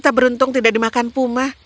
tak beruntung tidak dimakan puma